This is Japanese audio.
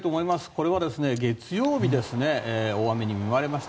これは月曜日大雨に見舞われました